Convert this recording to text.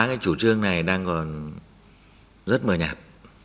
cái chủ trương này đang còn rất mờ nhạt